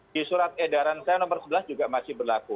di surat edaran saya nomor sebelas juga masih berlaku